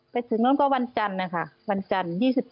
ไปถึงนู้นก็วันจันทร์นะคะวันจันทร์๒๗